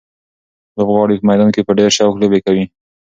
لوبغاړي په میدان کې په ډېر شوق لوبې کوي.